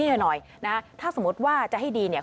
หน่อยนะฮะถ้าสมมุติว่าจะให้ดีเนี่ย